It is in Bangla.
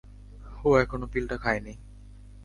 ও এখনও পিলটা খায়নি।